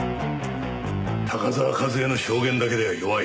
高沢和江の証言だけでは弱い。